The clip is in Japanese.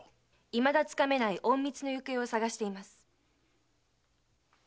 いまだ掴めない隠密の行方を捜しています。